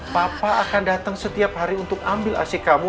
papa akan datang setiap hari untuk ambil asi kamu